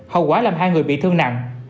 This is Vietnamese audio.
hậu quả làm hai người bị thương nặng